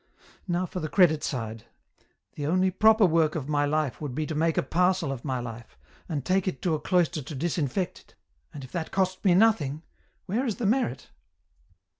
" Now for the Credit side. The only proper work of my life would be to make a parcel of my life, and take it to a cloister to disinfect it, and if that cost me nothing, where is the merit